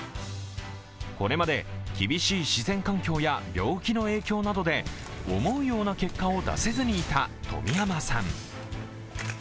これまで厳しい自然環境や病気の影響などで思うような結果を出せずにいた富山さん。